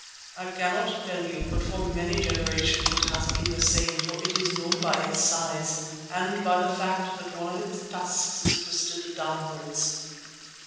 "I cannot tell you, but for many generations it has been the same, for it is known by its size and by the fact that one of its tusks is twisted downwards."